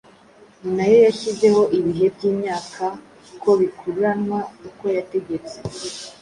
Ni na yo yashyizeho ibihe by’imyaka ko bikuranwa uko yategetse,